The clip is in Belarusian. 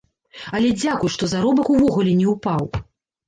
Але дзякуй, што заробак увогуле не ўпаў.